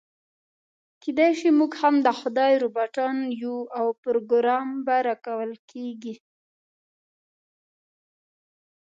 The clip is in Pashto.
کيداشي موږ هم د خدای روباټان يو او پروګرام به راکول کېږي.